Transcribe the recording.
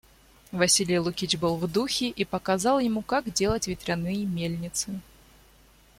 Василий Лукич был в духе и показал ему, как делать ветряные мельницы.